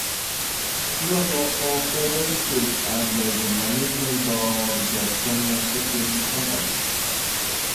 She was operated under the management of the Estonian Shipping Company.